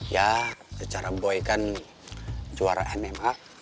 ya secara boy kan juara nma